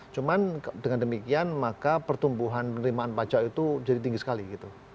cuman dengan demikian maka pertumbuhan penerimaan pajak itu jadi tinggi sekali gitu